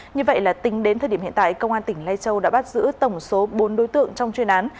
như vậy là tính đến thời điểm hiện tại công an tỉnh lai châu đã bắt giữ tổng số bốn đối tượng trong chuyên án